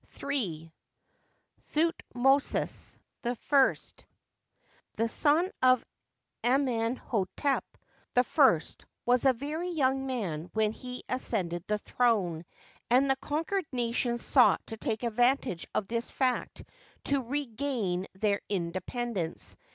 § 3. Thutmosis /. The son of Amenh6tep I was a ver>' young man when he ascended the throne, and the conquered nations sought to take advantage of this fact to regain their independ ence.